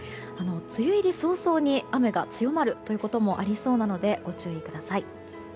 梅雨入り早々に、雨が強まるということもありそうなのでご注意ください。